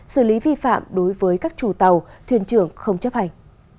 xử lý vi phạm đối với các chủ tàu thuyền trưởng không chấp hành